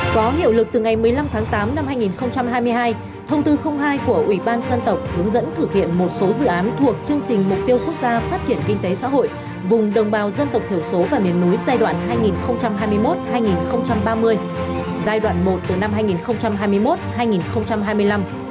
có hiệu lực từ ngày một mươi năm tháng tám năm hai nghìn hai mươi hai thông tư hai của ủy ban dân tộc hướng dẫn thực hiện một số dự án thuộc chương trình mục tiêu quốc gia phát triển kinh tế xã hội vùng đồng bào dân tộc thiểu số và miền núi giai đoạn hai nghìn hai mươi một hai nghìn ba mươi giai đoạn một từ năm hai nghìn hai mươi một hai nghìn hai mươi năm